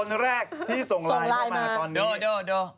๑๐คนแรกที่ส่งไลน์มาตอนนี้โด่